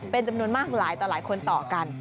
เป็นจำนวนมากหลายต่อหลายคนต่อกัน